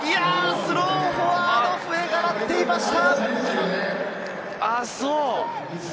スローフォワード、笛が鳴っていました。